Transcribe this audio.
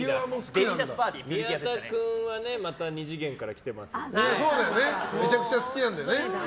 宮田君はまた２次元から来てますからね。